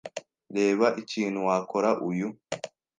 Reba ikintu wakora uyu